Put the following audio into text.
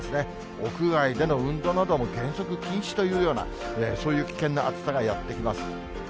屋外での運動なども原則禁止というような、そういう危険な暑さがやって来ます。